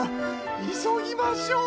いそぎましょ！